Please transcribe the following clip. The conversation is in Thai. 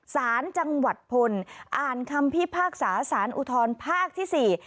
สารจังหวัดพลอ่านคำพิพากษาสารอุทธรภาคที่สี่